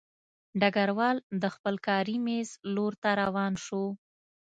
ډګروال د خپل کاري مېز لور ته روان شو